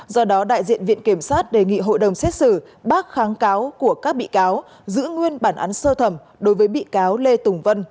do đó đại diện viện kiểm sát đề nghị hội đồng xét xử bác kháng cáo của các bị cáo giữ nguyên bản án sơ thẩm đối với bị cáo lê tùng vân